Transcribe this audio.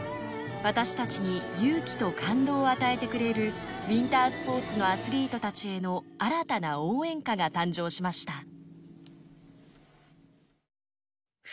私たちに勇気と感動を与えてくれるウィンタースポーツのアスリートたちへの新たな応援歌が誕生しました。